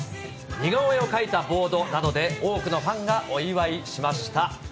似顔絵を描いたボードなどで多くのファンがお祝いしました。